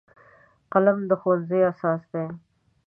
قلم د ښوونځي اساس دی